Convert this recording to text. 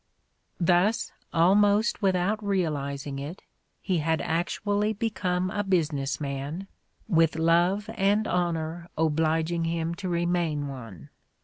Thus, almost without realizing it, he had actually be come a business man, vnth love and honor obliging him to remain one.